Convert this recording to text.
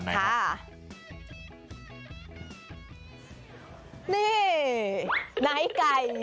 นี้ไหนไก่